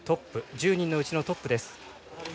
１０人のうちのトップです。